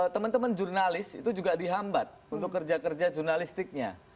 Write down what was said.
teman teman jurnalis itu juga dihambat untuk kerja kerja jurnalistiknya